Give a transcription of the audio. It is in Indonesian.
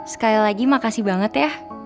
sekali lagi makasih banget ya